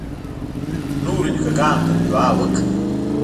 نورو نیکه ګانو ته مې دعا وکړه.